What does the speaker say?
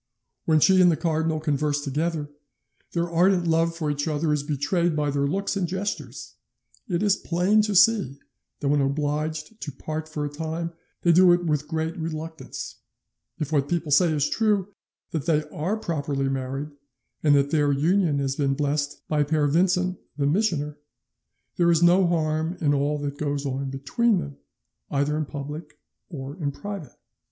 When she and the cardinal converse together, their ardent love for each other is betrayed by their looks and gestures; it is plain to see that when obliged to part for a time they do it with great reluctance. If what people say is true, that they are properly married, and that their union has been blessed by Pere Vincent the missioner, there is no harm in all that goes on between them, either in public or in private" ('Requete civile contre la Conclusion de la Paix, 1649).